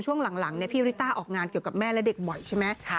ช่วงหลังพี่ริต้าออกงานเกี่ยวกับแม่และเด็กบ่อยใช่ไหม